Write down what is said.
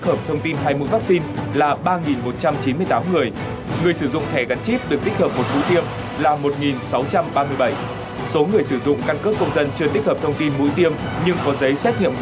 ở trong làng mình mọi người cũng không cần mũ bảo hiểm